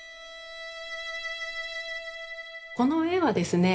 この絵はですね